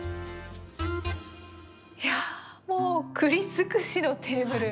いやもう栗尽くしのテーブル。